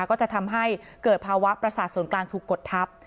ก็จะทำให้เกิดภาวะประสาทส่วนกลางถูกกดทับ